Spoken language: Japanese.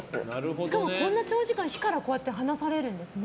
しかもこんな長時間火から離されるんですね。